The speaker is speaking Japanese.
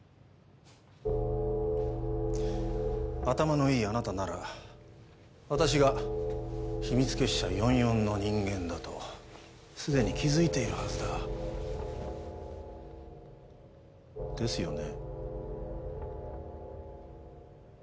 頭のいいあなたなら私が秘密結社４４の人間だとすでに気づいているはずだ。ですよね？